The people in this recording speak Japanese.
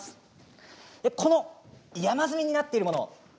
この山積みになっているもの